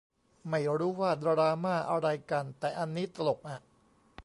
ไม่รู้ว่าดราม่าอะไรกัน แต่อันนี้ตลกอะ